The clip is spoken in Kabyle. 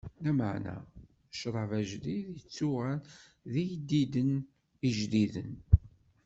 Lameɛna ccṛab ajdid ittuɣal deg iyeddiden ijdiden.